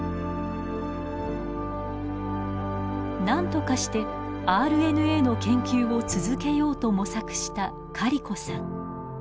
何とかしてＲＮＡの研究を続けようと模索したカリコさん。